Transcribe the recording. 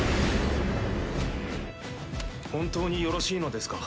本当によろしいのですか？